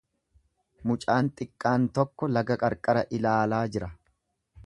Mucaan xiqqaan tokko laga qarqara ilaalaa jira.